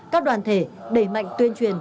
các đoàn thể đẩy mạnh tuyên truyền